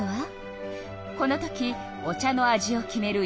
このときお茶の味を決める